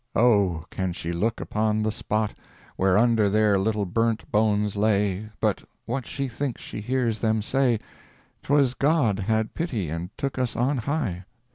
Oh, can she look upon the spot, Where under their little burnt bones lay, But what she thinks she hears them say, "Twas God had pity, and took us on high."